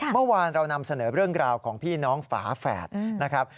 เมื่อวานเรานำเสนอเรื่องราวของพี่น้องฝาแฝดนะครับ